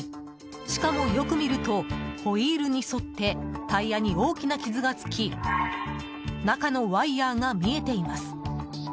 しかも、よく見るとホイールに沿ってタイヤに大きな傷がつき中のワイヤが見えています。